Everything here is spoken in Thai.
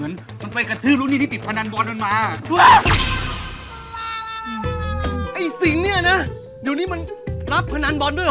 และได้ยินเต็มสองหูด้วย